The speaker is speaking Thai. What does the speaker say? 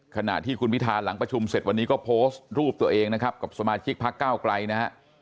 ขณะที่คุณพิธาหลังประชุมเสร็จวันนี้ก็โพสต์รูปตัวเองนะครับกับสมาชิกพักเก้าไกลนะฮะ